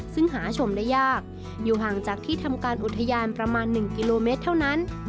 ซึ่งหาชมได้ยากอยู่ห่างจากที่ทำการอุทยานประมาณ๑กิโลเมตรเท่านั้น